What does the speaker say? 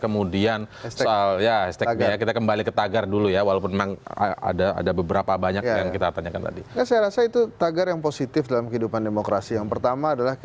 masa kampanye ini belum selesai